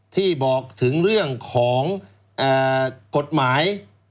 ที่บอกถึงเรื่องของกฎหมาย